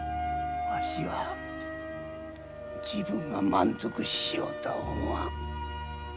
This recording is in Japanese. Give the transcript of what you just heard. わしは自分が満足しようとは思わん。